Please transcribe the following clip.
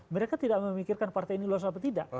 mereka tidak memikirkan partai ini lolos apa tidak